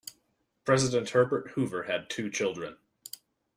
President Herbert Hoover had two children.